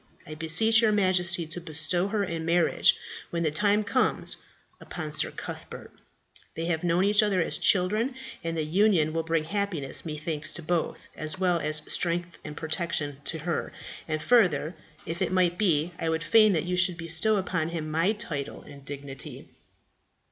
I beseech your Majesty to bestow her in marriage, when the time comes, upon Sir Cuthbert. They have known each other as children, and the union will bring happiness, methinks, to both, as well as strength and protection to her; and further, if it might be, I would fain that you should bestow upon him my title and dignity."